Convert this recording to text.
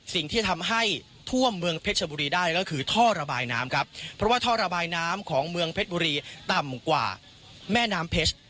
สิ่งที่ทำให้ท่วมเมืองเพชรชบุรีได้ก็คือท่อระบายน้ำครับเพราะว่าท่อระบายน้ำของเมืองเพชรบุรีต่ำกว่าแม่น้ำเพชร